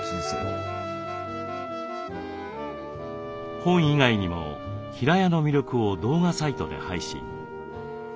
本以外にも平屋の魅力を動画サイトで配信。